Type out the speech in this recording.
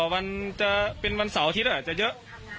มันจะเป็นวันเสาร์อาทิตย์อาจจะเยอะ